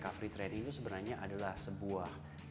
kondisi yang berbeda adalah sebuah kondisi yang berbeda